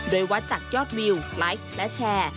โดยวัดจากยอดวิวไลฟ์และแชร์